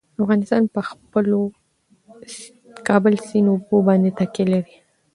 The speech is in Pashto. افغانستان په خپلو کابل سیند اوبو باندې تکیه لري.